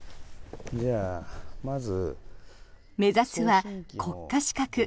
目指すは国家資格。